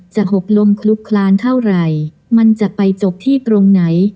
หกลมคลุกคลานเท่าไหร่มันจะไปจบที่ตรงไหน